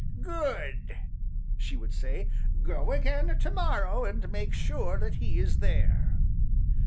"Good!" she would say. "Go again, to morrow and make sure that he is. there."